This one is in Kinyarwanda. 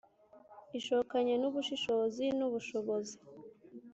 ishokanye ubushishozi n’ubushobozi